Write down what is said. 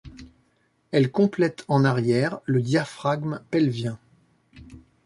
Elles complètent en arrière le diaphragme pelvien.